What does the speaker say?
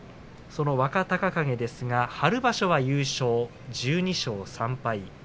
その若隆景ですが春場所は優勝１２勝３敗。